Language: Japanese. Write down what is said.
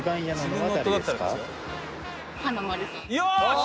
よし！